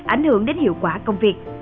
ảnh hưởng đến hiệu quả công việc